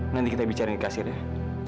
nanti kita bicara di kasir ya